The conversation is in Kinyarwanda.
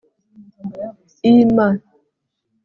l m